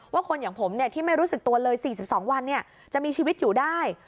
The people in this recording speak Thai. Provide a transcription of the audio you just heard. ว่าคนอย่างผมเนี่ยที่ไม่รู้สึกตัวเลย๔๒วันเนี่ยจะมีชีวิตอยู่ได้